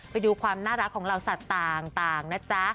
ไปดูความน่ารักของเหล่าสัตว์ต่างนะจ๊ะ